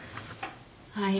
はい。